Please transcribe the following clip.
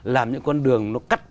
làm những con đường nó cắt